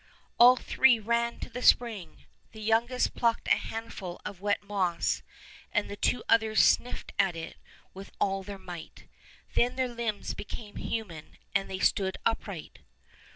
All three ran to the spring, the youngest plucked a handful of wet moss, and the two others sniffed at it with all their might. Then their limbs became human, and they stood upright.